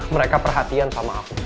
mereka perhatian sama aku